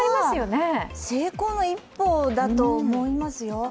これは成功の一歩だと思いますよ。